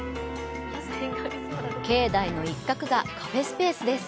境内の一角がカフェスペースです。